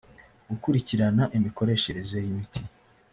gukurikirana imikoreshereze y imiti